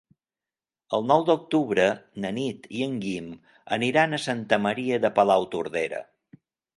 El nou d'octubre na Nit i en Guim aniran a Santa Maria de Palautordera.